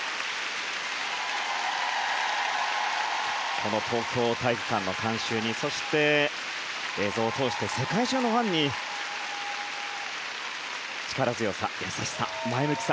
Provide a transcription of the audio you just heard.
この東京体育館の観衆にそして映像を通して世界中のファンに力強さ、優しさ、前向きさ。